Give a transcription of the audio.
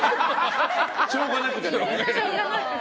しょうがなく。